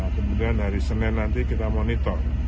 kemudian hari senin nanti kita monitor